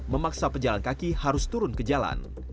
memaksa pejalan kaki harus turun ke jalan